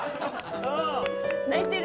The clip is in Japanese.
泣いてる。